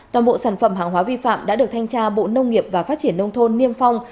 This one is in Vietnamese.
toàn bộ sản phẩm hàng hóa vi phạm đã được thanh tra bộ nông nghiệp và phát triển nông thôn niêm phong